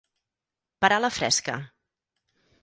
Parar la fresca.